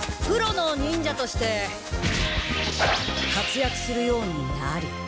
プロの忍者としてかつやくするようになり。